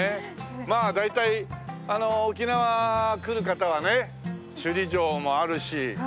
まあ大体沖縄来る方はね首里城もあるし